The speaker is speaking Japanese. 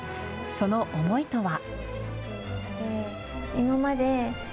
その思いとは。